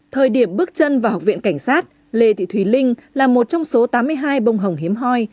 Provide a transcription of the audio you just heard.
thời điểm bước chân vào học viện cảnh sát lê thị thùy linh là một trong số tám mươi hai bông hồng hiếm hoi